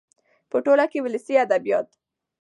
.په ټوله کې ولسي ادبيات